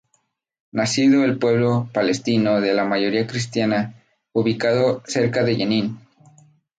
Nacido el pueblo palestino de mayoría cristiana ubicado cerca de Yenín.